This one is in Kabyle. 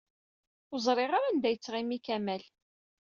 Ur ẓriɣ ara anda yettɣimi Kamal.